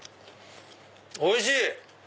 おいしい！